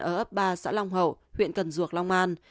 ở ấp ba xã long hậu huyện cần duộc long an